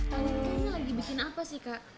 kayaknya lagi bikin apa sih kak